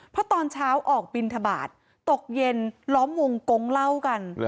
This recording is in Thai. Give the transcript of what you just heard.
เพราะตอนเช้าออกบินทบาทตกเย็นล้อมวงกงเล่ากัน